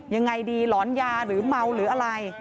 ยังไงดีหลอนยาหรือเมาหรืออะไร